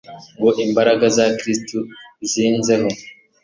ngo imbaraga za Kristo zinzeho